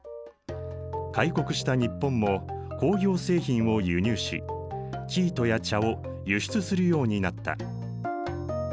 開国した日本も工業製品を輸入し生糸や茶を輸出するようになった。